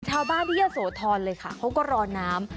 ชาวบ้านที่เยอะโสธรเลยค่ะเขาก็รอน้ำ